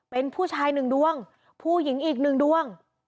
เป็นผู้ชายหนึ่งดวงผู้หญิงอีกหนึ่งดวง